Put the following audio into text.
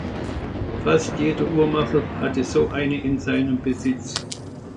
Fast jeder Uhrmacher hatte so eine in seinem Besitz.